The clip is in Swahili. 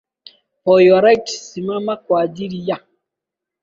for your right simama kwa ajili ya